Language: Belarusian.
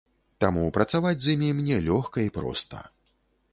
Таму працаваць з імі мне лёгка і проста.